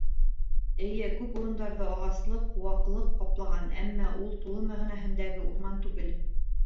Эйе, күп урындарҙы ағаслыҡ, ҡыуаҡлыҡ ҡаплаған, әммә ул тулы мәғәнәһендәге урман түгел.